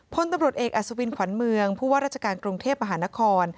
พลตำรวจเอกอัศวินขวัญเมืองผู้ว่าราชการกรุงเทพมหานคร